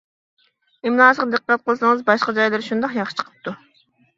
ئىملاسىغا دىققەت قىلسىڭىز، باشقا جايلىرى شۇنداق ياخشى چىقىپتۇ.